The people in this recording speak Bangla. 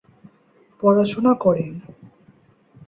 পড়াশোনা করেন।